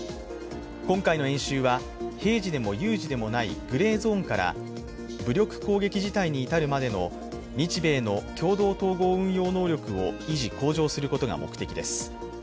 今回の演習は、平時でも有事でもないグレーゾーンから武力攻撃事態に至るまでの日米の共同統合運用能力を維持・向上することが目的です。